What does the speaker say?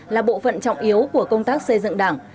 là bộ phận trọng yếu của công tác xây dựng đảng